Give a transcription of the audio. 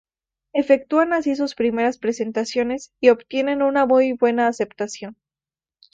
Efectúan así sus primeras presentaciones y obtienen una muy buena aceptación.